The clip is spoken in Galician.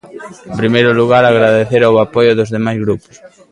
En primeiro lugar, agradecer o apoio dos demais grupos.